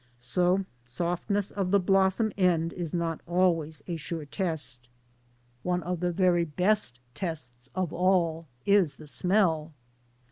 So softness of the blossom end is not always a sure test. One of the very best tests of all is the smoll.